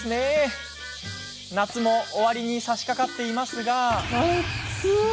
夏も終わりにさしかかっていますが。